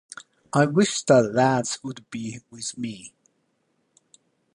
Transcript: I wish the lads would be with me.